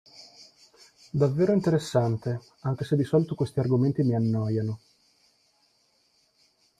Davvero interessante, anche se di solito questi argomenti mi annoiano.